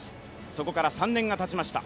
そこから３年がたちました。